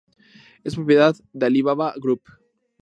Es propiedad de Alibaba Group.